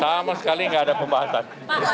sama sekali nggak ada pembahasan